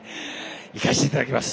いかせていただきます。